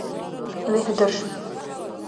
верхӀдарш